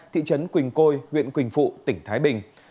thị trấn quỳnh côi huyện quỳnh phụ tỉnh thái bình